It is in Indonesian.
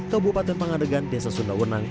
kabupaten pangadegan desa sunda wenang